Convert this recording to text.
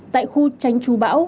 tại khu tránh trù bão